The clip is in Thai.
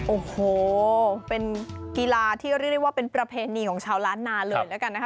โอ้โหเป็นกีฬาที่เรียกได้ว่าเป็นประเพณีของชาวร้านนานเลย